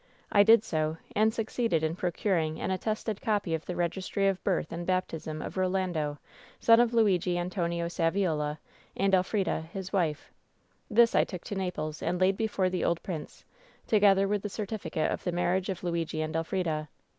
I did so, and succeeded in procuring an at tested copy of the registry of birth and baptism of Ro lando, son of Luigi Antonio Saviola and Elfrida, his wife. This I took to Naples and laid before the old prince, together with the certificate of the marriage of Luigi and Elfrida.